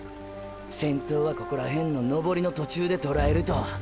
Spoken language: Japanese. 先頭はここらへんの登りの途中でとらえると！！